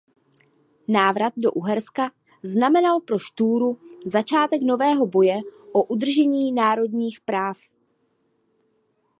Návrat do Uherska znamenal pro Štúra začátek nového boje o udržení národních práv.